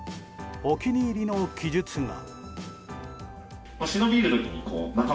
お気に入りの記述が。